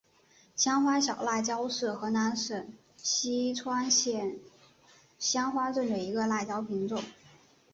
香花小辣椒是河南省淅川县香花镇的一个辣椒品种。